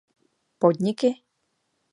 Podniky?